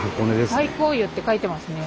「太閤湯」って書いてますね。